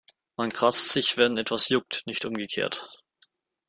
Man kratzt sich, wenn etwas juckt, nicht umgekehrt.